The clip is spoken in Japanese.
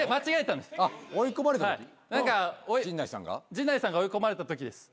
陣内さんが追い込まれたときです。